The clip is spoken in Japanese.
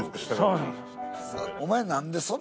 そうなんです。